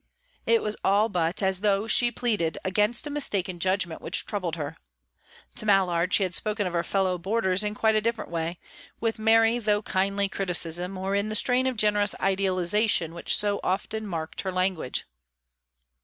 It was all but as though she pleaded against a mistaken judgment which troubled her. To Mallard she had spoken of her fellow boarders in quite a different way, with merry though kindly criticism, or in the strain of generous idealization which so often marked her language.